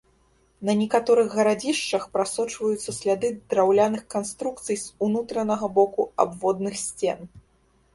На некаторых гарадзішчах прасочваюцца сляды драўляных канструкцый з унутранага боку абводных сцен.